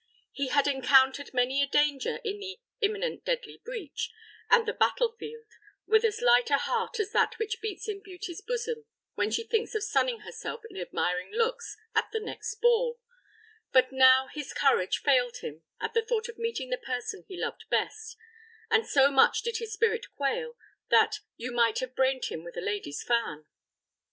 He had encountered many a danger in the "imminent deadly breach," and the battle field, with as light a heart as that which beats in beauty's bosom when she thinks of sunning herself in admiring looks at the next ball; but now his courage failed him at the thought of meeting the person he loved best, and so much did his spirit quail, that "you might have brained him with a lady's fan."